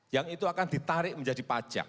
yang itu akan ditarik menjadi pajak